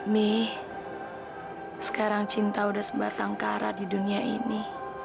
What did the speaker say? mi sekarang cinta sudah sebatang kara di dunia ini